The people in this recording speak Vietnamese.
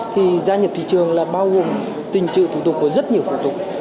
thì gia nhập thị trường là bao gồm tình trự thủ tục của rất nhiều thủ tục